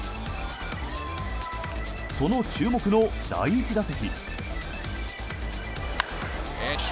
その注目の第１打席。